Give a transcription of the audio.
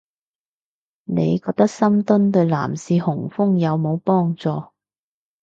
你覺得深蹲對男士雄風有冇幫助